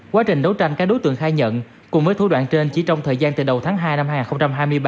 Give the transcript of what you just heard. quá trình đấu tranh các đối tượng khai nhận cùng với thủ đoạn trên chỉ trong thời gian từ đầu tháng hai năm hai nghìn hai mươi ba